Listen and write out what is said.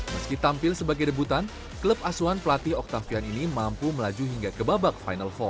meski tampil sebagai rebutan klub asuhan pelatih octavian ini mampu melaju hingga ke babak final empat